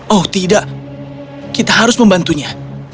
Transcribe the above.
oh tidak kita harus membantunya